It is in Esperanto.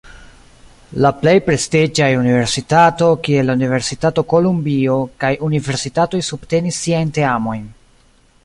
La plej prestiĝaj universitato, kiel la Universitato Kolumbio, kaj universitatoj subtenis siajn teamojn.